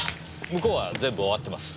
向こうは全部終わってます。